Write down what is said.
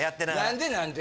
何で何で？